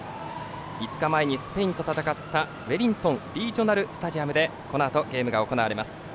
５日前にスペインと戦ったウェリントンリージョナルスタジアムでこのあと、ゲームが行われます。